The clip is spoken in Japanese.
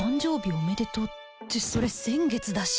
おめでとうってそれ先月だし